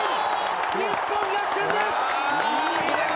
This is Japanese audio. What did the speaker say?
日本逆転です！